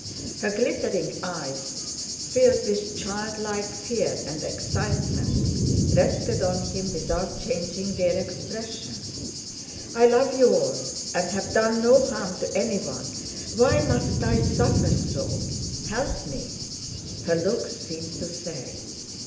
Her glittering eyes, filled with childlike fear and excitement, rested on him without changing their expression. "I love you all and have done no harm to anyone; why must I suffer so? Help me!" her look seemed to say.